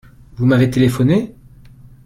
Vous m'avez téléphoné ?